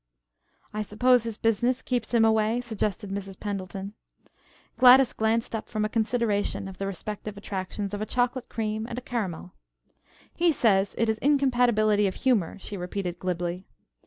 "I suppose his business keeps him away," suggested Mrs. Pendleton. Gladys glanced up from a consideration of the respective attractions of a chocolate cream and caramel. "He says it is incompatibility of humor," she repeated glibly.